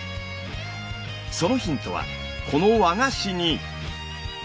そのヒントはこの和菓子に。